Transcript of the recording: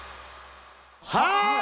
はい！